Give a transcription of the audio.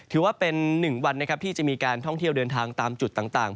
ถือว่าเป็น๑วันนะครับที่จะมีการท่องเที่ยวเดินทางตามจุดต่าง